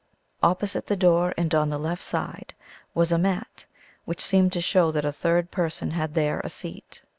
Opposite the door, and on the left side, was a mat, which seemed to show that a third person had there a seat.